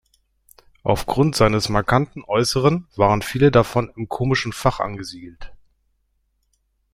Aufgrund seines markanten Äußeren waren viele davon im komischen Fach angesiedelt.